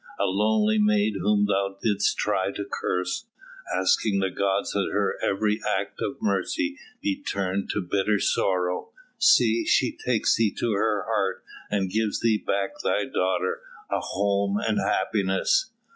A lonely maid whom thou didst try to curse, asking the gods that her every act of mercy be turned to bitter sorrow. See, she takes thee to her heart and gives thee back thy daughter, a home and happiness."